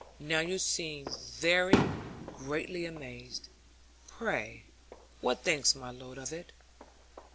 Now you seem very greatly amazed; pray what thinks my lord of it?'